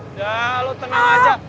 udah lu tenang aja